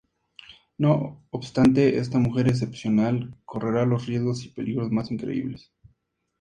No obstante, esta mujer excepcional correrá los riesgos y peligros más increíbles.